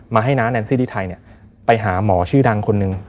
มาให้น้าแนนซี่ดีไทยเนี่ยไปหาหมอชื่อดังคนหนึ่ง